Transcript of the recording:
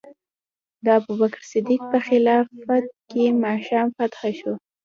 د ابوبکر صدیق په خلافت کې شام فتح شو.